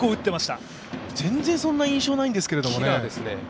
全然そんな印象ないんですけどもね。